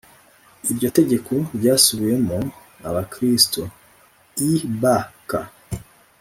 Iryo tegeko ryasubiriwemo Abakristo Ibk